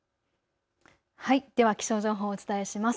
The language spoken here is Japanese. では気象情報をお伝えします。